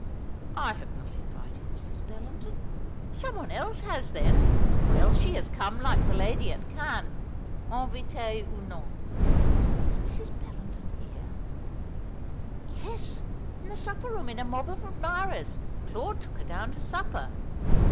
"I have not invited Mrs. Bellenden." "Someone else has, then. Or else she has come like the lady at Cannes, invitée ou non." "Is Mrs. Bellenden here?" "Yes, in the supper room, in a mob of admirers. Claude took her down to supper."